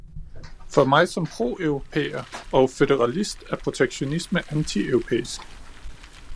For mig som proeuropæer og føderalist er protektionisme antieuropæisk.